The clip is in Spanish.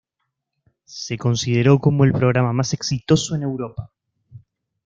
Se consideró como el programa más exitoso en Europa.